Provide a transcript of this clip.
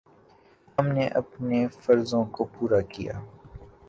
ہم نے اپنے فرضوں کو پورا کیا۔